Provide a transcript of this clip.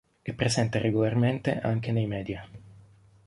È presente regolarmente anche nei media.